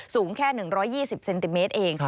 สูงแค่๑๒๐เซนติเมตรเอง